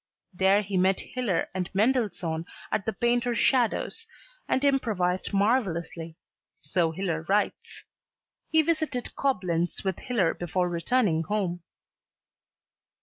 There he met Hiller and Mendelssohn at the painter Schadow's and improvised marvellously, so Hiller writes. He visited Coblenz with Hiller before returning home.